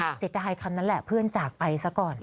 ค่ะเสร็จแต่ฮายคำนั้นแหละเพื่อนจากไปซะก่อน